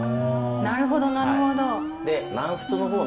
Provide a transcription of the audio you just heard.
なるほどなるほど。